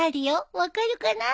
分かるかな？